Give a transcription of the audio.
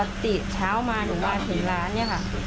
คุยอะไรกับใครเลยปกติเช้ามาถึงมาถึงร้านนี้ค่ะ